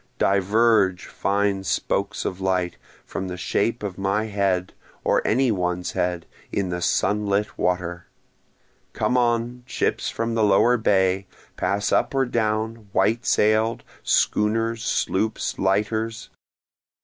Diverge, fine spokes of light, from the shape of my head, or any one's head, in the sunlit water! Come on, ships from the lower bay! pass up or down, white sail'd schooners, sloops, lighters!